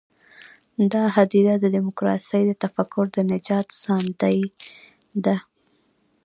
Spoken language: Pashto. دا هدیره د ډیموکراسۍ د تفکر د نجات ساندې ده.